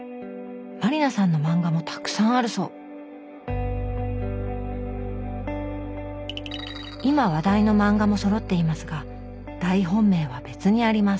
満里奈さんの漫画もたくさんあるそう今話題の漫画もそろっていますが大本命は別にあります